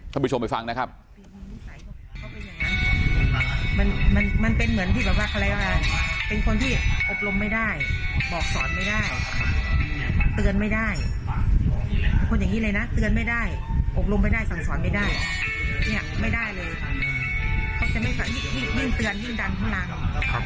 ท่านผู้ชมไปฟังนะครับ